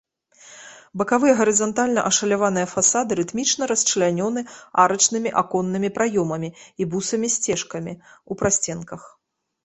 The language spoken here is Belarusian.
Бакавыя гарызантальна ашаляваныя фасады рытмічна расчлянёны арачнымі аконнымі праёмамі і бусамі-сцяжкамі ў прасценках.